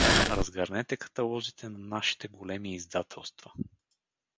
Разгърнете каталозите на нашите големи издателства.